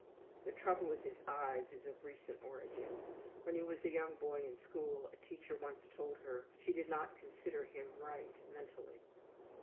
The trouble with his eyes is of recent origin. When he was a young boy in school a teacher once told her she did not consider him right mentally.